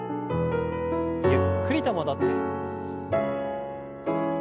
ゆっくりと戻って。